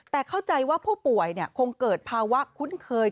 แต่เข้าใจว่าผู้ป่วยคงเกิดภาวะคุ้นเคย